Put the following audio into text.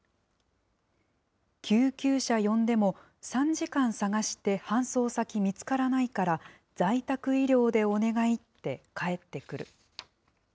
救急車呼んでも、３時間探して搬送先見つからないから、在宅医療でお願いって返ってくる。